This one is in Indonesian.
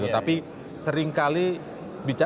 tapi seringkali bicara